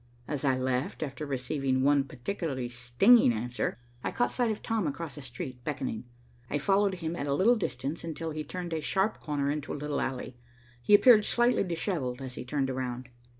As I left after receiving one particularly stinging answer, I caught sight of Tom across the street, beckoning. I followed him at a little distance until he turned a sharp corner into a little alley. He appeared slightly dishevelled as he turned around.